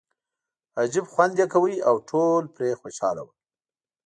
عجیبه خوند یې کاوه او ټول پرې خوشاله وو.